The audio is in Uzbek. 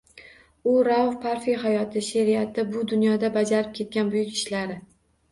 U Rauf Parfiy hayoti, she’riyati, bu dunyoda bajarib ketgan buyuk ishlari